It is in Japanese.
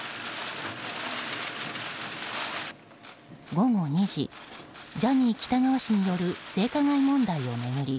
午後２時ジャニー喜多川氏による性加害問題を巡り